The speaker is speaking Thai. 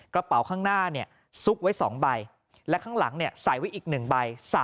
กระเป๋าข้างหน้าซุกไว้๒ใบและข้างหลังใส่ไว้อีก๑ใบ